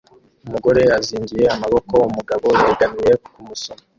Umugore azingiye amaboko umugabo yegamiye kumusoma